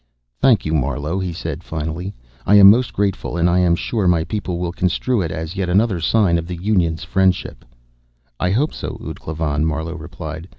"Thank you, Marlowe," he said finally. "I am most grateful, and I am sure my people will construe it as yet another sign of the Union's friendship." "I hope so, ud Klavan," Marlowe replied.